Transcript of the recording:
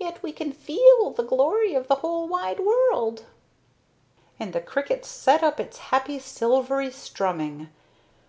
Yet we can feel the glory of the whole wide world." And the cricket set up its happy silvery strumming.